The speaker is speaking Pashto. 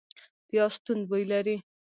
پیاز توند بوی لري